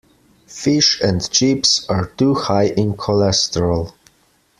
Fish and chips are too high in cholesterol.